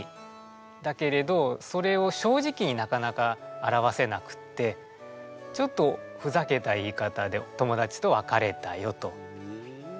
だけれどそれを正直になかなか表せなくってちょっとふざけた言い方で友達と別れたよと。